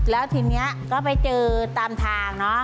แล้วทีนี้ก็ไปเจอกันตามทาง